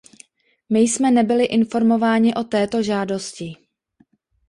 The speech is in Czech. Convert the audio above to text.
My jsme nebyli informování o této žádosti.